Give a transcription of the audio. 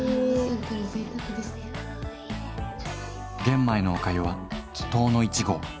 ⁉玄米のおかゆは遠野１号。